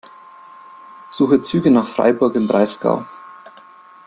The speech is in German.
Suche Züge nach Freiburg im Breisgau.